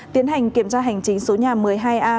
tiến hành kiểm tra hành chính số nhà một mươi hai a